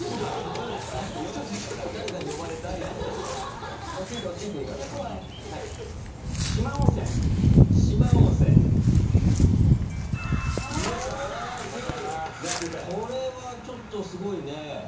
これはちょっとすごいね。